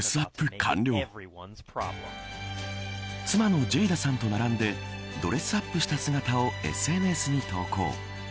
妻のジェイダさんと並んでドレスアップした姿をＳＮＳに投稿。